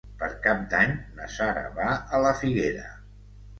Per Cap d'Any na Sara va a la Figuera.